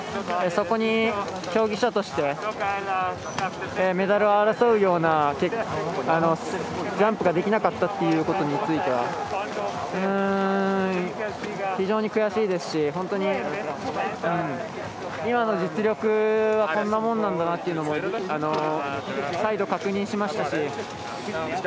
そこに競技者としてメダルを争うようなジャンプができなかったということについては非常に悔しいですし本当に今の実力はこんなもんなんだなというのを再度、確認しましたし。